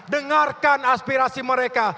dengarkan aspirasi mereka